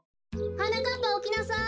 ・はなかっぱおきなさい！